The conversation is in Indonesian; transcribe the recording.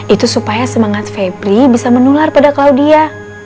itu supaya semangat febri bisa menular pada klaudia